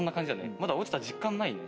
まだ落ちた実感ないね。